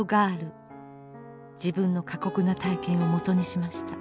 自分の過酷な体験をもとにしました。